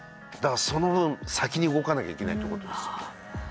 だからその分先に動かなきゃいけないってことですよね。